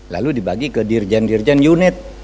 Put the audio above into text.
lalu dibagi ke dirjen dirjen unit